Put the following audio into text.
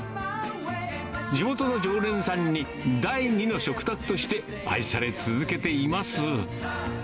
地元の常連さんに第２の食卓として愛されて続けています。